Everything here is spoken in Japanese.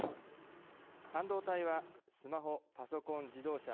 半導体はスマホパソコン自動車。